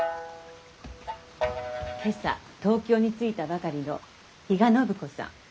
今朝東京に着いたばかりの比嘉暢子さん。